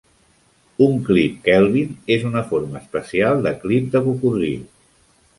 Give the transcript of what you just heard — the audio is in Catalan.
Un clip Kelvin és una forma especial de clip de cocodril.